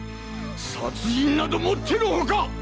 殺人などもってのほか！